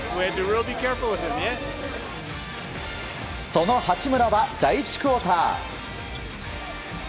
その八村は第１クオーター。